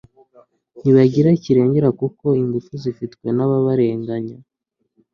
ntibagira kirengera kuko ingufu zifitwe n'ababarenganya